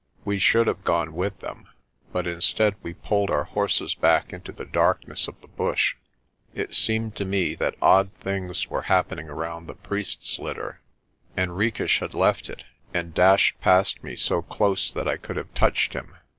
We should have gone with them, but instead we pulled our horses back into the darkness of the bush. It seemed to me that odd things were happening around the priest's litter. Henriques had left it, and dashed past me so close that I could have touched him.